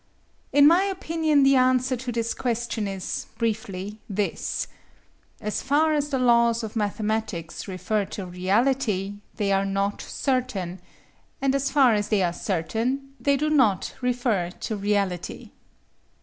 In my opinion the answer to this question is, briefly, this: As far as the laws of mathematics refer to reality, they are not certain; and as far as they are certain, they do not refer to reality.